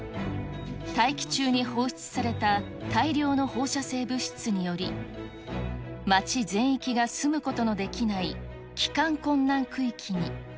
大気中に放出された大量の放射性物質により、町全域が住むことのできない帰還困難区域に。